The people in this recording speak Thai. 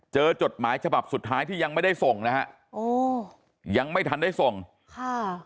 จดหมายฉบับสุดท้ายที่ยังไม่ได้ส่งนะฮะโอ้ยังไม่ทันได้ส่งค่ะ